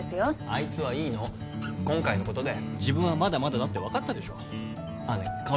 あいつはいいの今回のことで自分はまだまだだって分かったでしょねえか